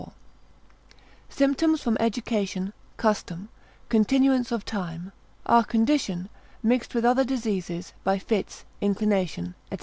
—_Symptoms from Education, Custom, continuance of Time, our Condition, mixed with other Diseases, by Fits, Inclination, &c.